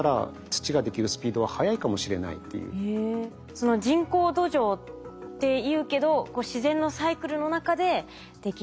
その人工土壌っていうけど自然のサイクルの中でできること。